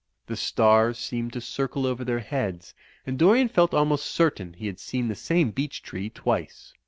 The stars seemed to cirde over their heads; and Dorian felt almost cer tain he had seen the same beech tree twice.